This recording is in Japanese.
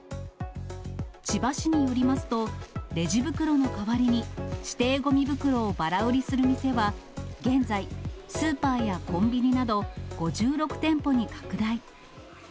千葉市によりますと、レジ袋の代わりに指定ごみ袋をばら売りする店は、現在、スーパーやコンビニなど５６店舗に拡大。